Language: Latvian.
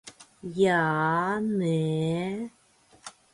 Jā. Nē.